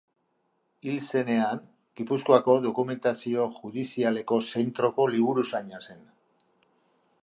Hil zenean, Gipuzkoako Dokumentazio Judizialeko Zentroko liburuzaina zen.